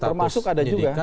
termasuk ada juga